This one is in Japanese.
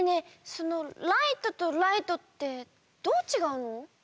その「ライト」と「ライト」ってどうちがうの？